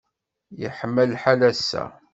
Yeḥma lḥal ass-a.